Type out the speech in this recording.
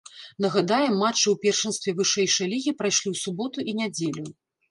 Нагадаем, матчы ў першынстве вышэйшай лігі прайшлі ў суботу і нядзелю.